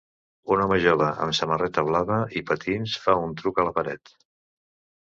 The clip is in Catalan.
Un home jove amb samarreta blava i patins fa un truc a la paret.